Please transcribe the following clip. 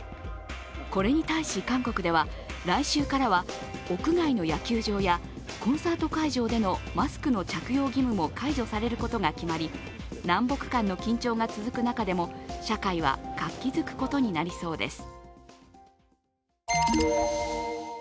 これに対し、韓国では来週からは屋外の野球場やコンサート会場でのマスクの着用義務も解除されることが決まり南北間の緊張が続く中でも社会は活気づくことになりそうです。